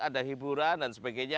ada hiburan dan sebagainya